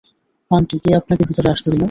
Aunty, কে আপনাকে ভিতরে আসতে দিল?